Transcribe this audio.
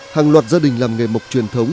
hàng loạt gia đình làm nghề mộc truyền thống